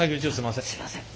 すいません。